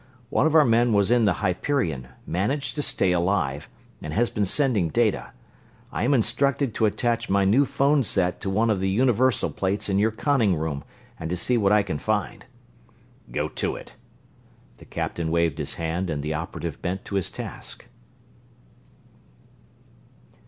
One of our men was in the Hyperion, managed to stay alive, and has been sending data. I am instructed to attach my new phone set to one of the universal plates in your conning room, and to see what I can find." "Go to it!" The captain waved his hand and the operative bent to his task.